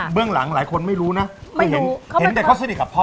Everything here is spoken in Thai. เรื่องหลังหลายคนไม่รู้นะเห็นแต่เขาสนิทกับพ่อ